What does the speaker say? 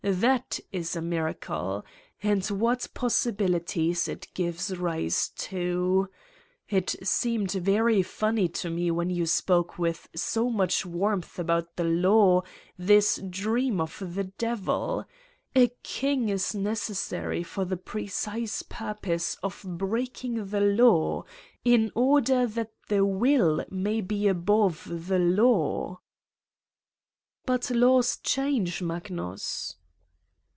That is a miracle ! And what possibilities it gives rise to ! It seemed very funny to me when you spoke with so much warmth about the law, this dream of the devil. A king is necessary for the precise purpose of breaking the law, in order that the will may be above the law!" "But laws change, Magnus."